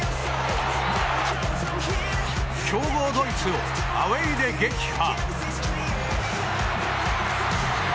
強豪ドイツをアウェーで撃破！